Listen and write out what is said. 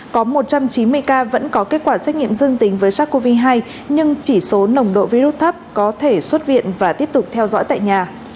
có một trăm chín mươi ca vẫn có kết quả xét nghiệm dương tính với sars cov hai nhưng chỉ số nồng độ virus thấp có thể xuất viện và tiếp tục theo dõi tại nhà